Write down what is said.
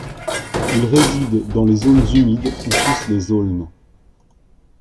Il réside dans les zones humides où poussent les aulnes.